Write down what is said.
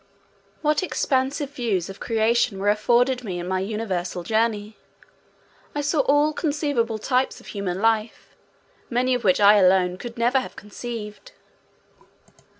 What expansive views of creation were afforded me in my universal journey! I saw all conceivable types of human life, many of which I alone could never have conceived.